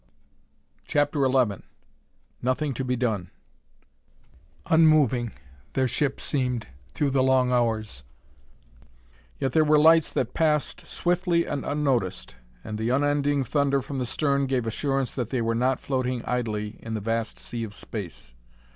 CHAPTER XI "Nothing to Be Done" Unmoving, their ship seemed, through the long hours. Yet there were lights that passed swiftly and unnoticed, and the unending thunder from the stern gave assurance that they were not floating idly in the vast sea of space.